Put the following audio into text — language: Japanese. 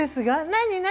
何何？